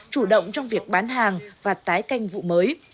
chủ động trong việc bán hàng và tái canh vụ mới